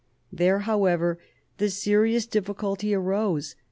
There, however, the serious difficulty arose.